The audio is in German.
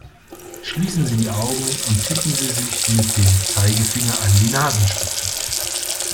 Schließen Sie die Augen und tippen Sie sich mit dem Zeigefinder an die Nasenspitze!